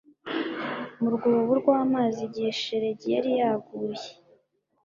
Mu rwobo rw amazi igihe shelegi yari yaguye